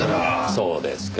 そうですか？